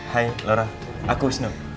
hai laura aku wisnu